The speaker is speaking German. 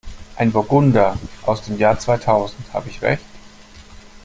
Ein Burgunder aus dem Jahr zweitausend, habe ich Recht?